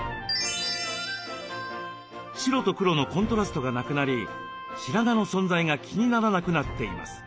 白と黒のコントラストがなくなり白髪の存在が気にならなくなっています。